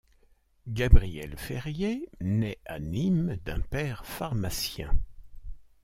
Gabriel Ferrier naît à Nîmes d'un père pharmacien.